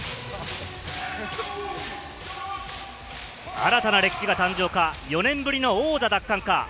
新たな歴史が誕生か、４年ぶりの王者奪還か。